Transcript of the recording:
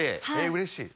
うれしい！